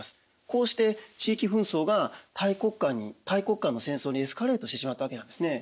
こうして地域紛争が大国間の戦争にエスカレートしてしまったわけなんですね。